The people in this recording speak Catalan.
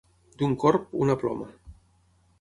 D'un corb, una ploma.